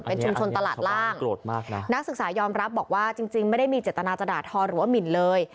เป็นชุมชนตลาดล่างโกรธมากนะนักศึกษายอมรับบอกว่าจริงไม่ได้มีเจตนาจะด่าทอหรือว่าหมินเลย